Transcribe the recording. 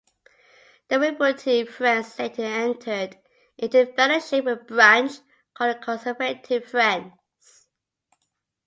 The Wilburite Friends later entered into fellowship with a branch called the Conservative Friends.